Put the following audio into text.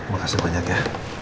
makasih banyak ya